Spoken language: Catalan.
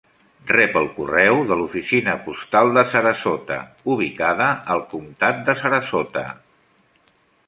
Rep el correu de l'oficina postal de Sarasota, ubicada al comtat de Sarasota.